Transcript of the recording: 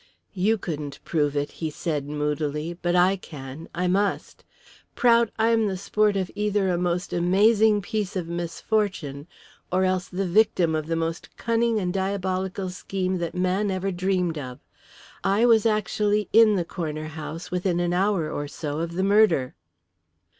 "You couldn't prove it," he said, moodily, "but I can, I must. Prout, I am the sport of either a most amazing piece of misfortune or else the victim of the most cunning and diabolical scheme that man ever dreamed of. I was actually in the corner house within an hour or so of the murder."